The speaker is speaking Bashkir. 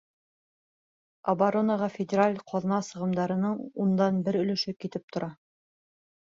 Оборонаға федераль ҡаҙна сығымдарының ундан бер өлөшө китеп тора.